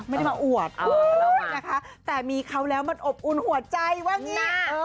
ไม่ได้มาอวดแต่มีเขาแล้วมันอบอุ้นหัวใจว่าอย่างนี้